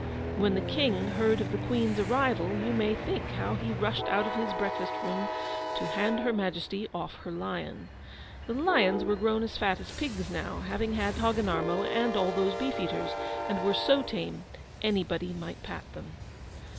When the KING heard of the QUEEN'S arrival, you may think how he rushed out of his breakfast room to hand Her Majesty off her lion! The lions were grown as fat as pigs now, having had Hogginarmo and all those beefeaters, and were so tame, anybody might pat them.